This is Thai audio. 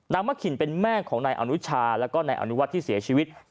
มะขินเป็นแม่ของนายอนุชาแล้วก็นายอนุวัฒน์ที่เสียชีวิต